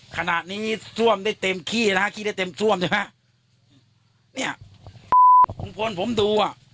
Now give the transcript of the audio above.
ขณะนี้ซ่วมได้เต็มขี้นะฮะขี้ได้เต็มซ่วมใช่ไหมฮะเนี่ยลุงพลผมดูอ่ะ